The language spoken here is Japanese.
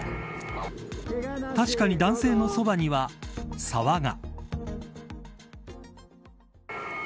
確かに男性の側には沢が。